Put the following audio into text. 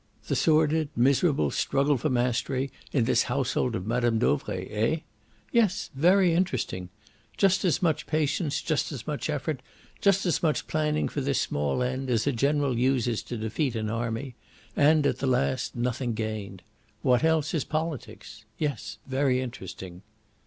The sordid, miserable struggle for mastery in this household of Mme. Dauvray eh? Yes, very interesting. Just as much patience, just as much effort, just as much planning for this small end as a general uses to defeat an army and, at the last, nothing gained. What else is politics? Yes, very interesting."